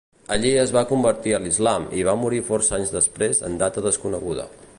Allí es va convertir a l'islam i va morir força anys després en data desconeguda.